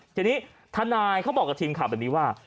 ทีนี้ธนายเขาบอกกับทีมขาวเป็นวิวาท